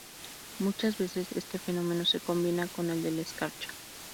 Muchas veces este fenómeno se combina con el de la escarcha.